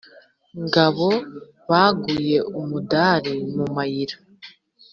ngabo baguye umudari mu mayira;